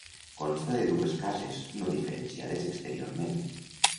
Consta de dues cases, no diferenciades exteriorment.